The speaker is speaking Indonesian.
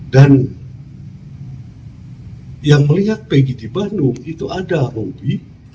dan yang melihat peggy di bandung itu ada robi